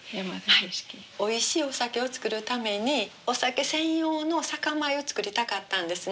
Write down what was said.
おいしいお酒を造るためにお酒専用の酒米を作りたかったんですね。